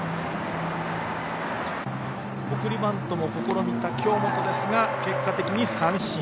送りバントも試みた京本ですが結果的に三振。